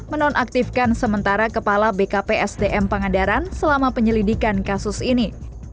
menonaktifkan sementara kepala bkpsdm pangandaran selama penyelidikan kasus ini